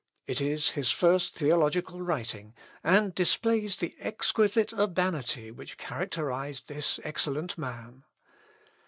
It is his first theological writing, and displays the exquisite urbanity which characterised this excellent man.